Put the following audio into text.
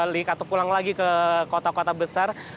ketika ini mereka sudah mulai menghadirkan perjalanan ke kota kota besar